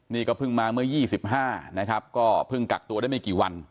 นี่ก็เพิ่งมาเมื่อ๒๕นะครับก็เพิ่งกักตัวได้ไม่กี่วัน